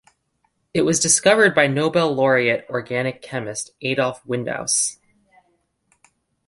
It was discovered by Nobel-laureate organic chemist Adolf Windaus.